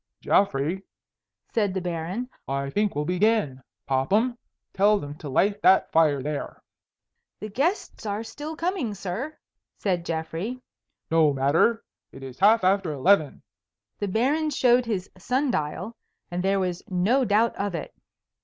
"Geoffrey," said the Baron, "I think we'll begin. Popham, tell them to light that fire there." "The guests are still coming, sir," said Geoffrey. "No matter. It is half after eleven." The Baron showed his sun dial, and there was no doubt of it.